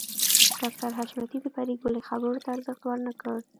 ډاکټر حشمتي د پريګلې خبرو ته ارزښت ورنکړ